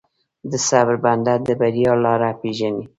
د صبر بنده، د بریا لاره پېژني.